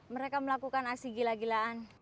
mereka melakukan aksi gila gilaan